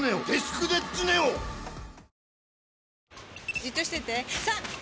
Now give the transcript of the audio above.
じっとしてて３！